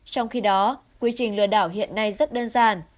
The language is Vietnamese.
trong khi đó quy trình lừa đảo hiện nay rất đơn giản